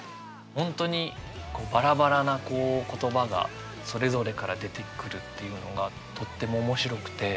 本当にバラバラな言葉がそれぞれから出てくるっていうのがとっても面白くて。